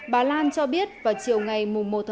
bà lan cho biết vào chiều ngày một một mươi